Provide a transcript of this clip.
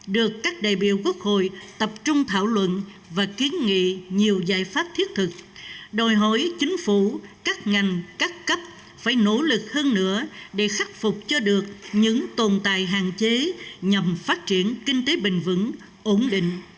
được các đại biểu quốc hội tập trung thảo luận và kiến nghị nhiều giải pháp thiết thực đòi hỏi chính phủ các ngành các cấp phải nỗ lực hơn nữa để khắc phục cho được những tồn tại hạn chế nhằm phát triển kinh tế bình vững ổn định